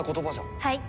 はい。